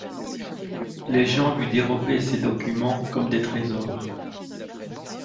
Les gens lui dérobaient ces documents comme des trésors.